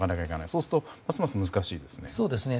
そうするとますます難しいですね。